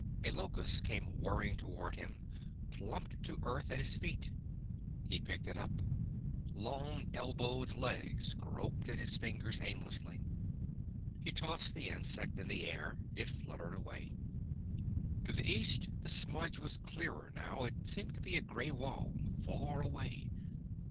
A locust came whirring toward him, plumped to earth at his feet. He picked it up. Long elbowed legs groped at his fingers aimlessly. He tossed the insect in the air. It fluttered away. To the east the smudge was clearer now; it seemed to be a grey wall, far away.